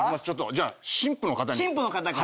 じゃあ新婦の方に。